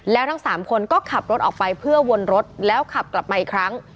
แล้วทั้ง๓คนก็ขับรถออกไปเพื่อวนรถแล้วขับกลับมาอีกครั้ง